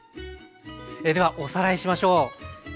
ではおさらいしましょう。